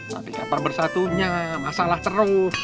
nanti kapan bersatunya masalah terus